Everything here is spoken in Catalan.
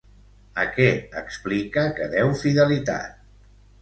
A què explica que deu fidelitat?